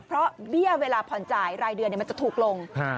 เพราะเบี้ยเวลาผ่อนจ่ายรายเดือนมันจะถูกลง